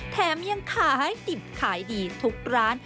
แถมยังขายดิบขายดีทุกร้าน